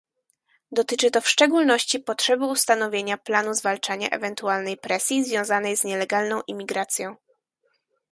Dotyczy to w szczególności potrzeby ustanowienia planu zwalczania ewentualnej presji związanej z nielegalną imigracją